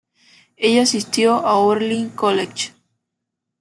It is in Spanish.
Ella asistió a Oberlin College.